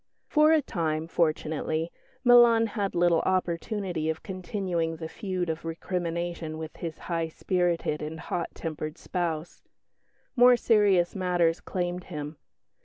For a time, fortunately, Milan had little opportunity of continuing the feud of recrimination with his high spirited and hot tempered spouse. More serious matters claimed him.